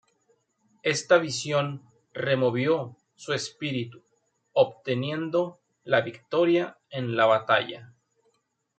Esta visión removió su espíritu, obteniendo la victoria en la batalla.